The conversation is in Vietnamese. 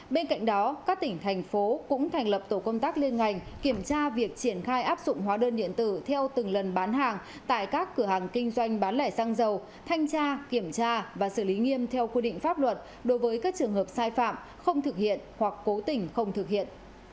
bên cạnh đó các tỉnh thành phố cũng thành lập tổ công tác liên ngành kiểm tra việc triển khai áp dụng hóa đơn điện tử theo từng lần bán hàng tại các cửa hàng kinh doanh bán lẻ xăng dầu thanh tra kiểm tra và xử lý nghiêm theo quy định pháp luật đối với các trường hợp sai phạm không thực hiện hoặc cố tình không thực hiện